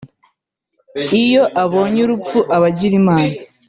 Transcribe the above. iyo abonye urupfu aba agira Imana